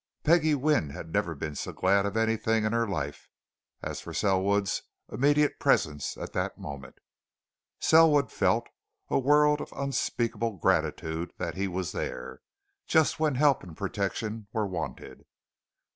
Peggie Wynne had never been so glad of anything in her life as for Selwood's immediate presence at that moment: Selwood felt a world of unspeakable gratitude that he was there, just when help and protection were wanted.